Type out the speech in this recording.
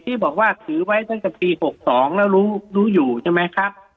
ที่บอกว่าถือไว้ตั้งแต่ปี๖๒แล้วรู้อยู่ใช่ไหมครับ